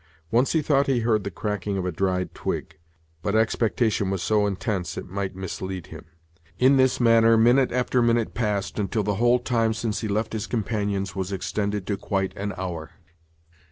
Once he thought he heard the cracking of a dried twig, but expectation was so intense it might mislead him. In this manner minute after minute passed, until the whole time since he left his companions was extended to quite an hour.